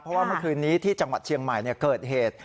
เพราะว่าเมื่อคืนนี้ที่จังหวัดเชียงใหม่เกิดเหตุ